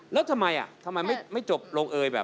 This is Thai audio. แล้วทำไมทำไมไม่จบโรงเอยแบบ